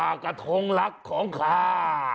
อ่ากธงลักของข้า